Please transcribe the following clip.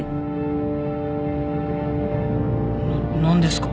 何ですか？